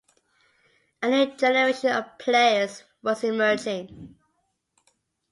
A new generation of players was emerging.